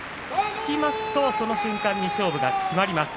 つきますとその瞬間に勝負が決まります。